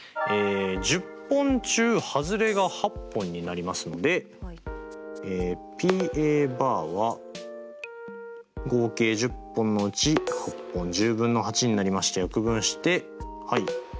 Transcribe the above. １０本中ハズレが８本になりますのでＰは合計１０本のうち８本１０分の８になりまして約分してはい５分の４になります。